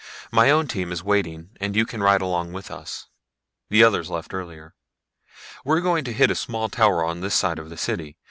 My own team is waiting and you can ride along with us. The others left earlier. We're going to hit a small tower on this side of the city.